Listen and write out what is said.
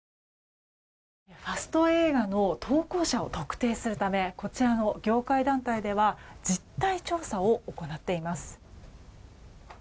ファスト映画の投稿者を特定するためこちらの業界団体では実態調査を行っています。